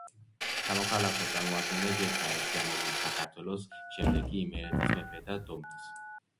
სამოქალაქო წარმოადგენდა ჯერ გაერთიანებული საქართველოს, შემდეგ კი იმერეთის მეფეთა დომენს.